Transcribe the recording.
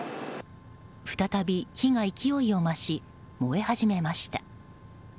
再び、火が勢いを増し燃え始めました。